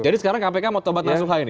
jadi sekarang kpk mau tolbat nasuhah ini